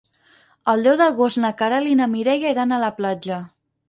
El deu d'agost na Queralt i na Mireia iran a la platja.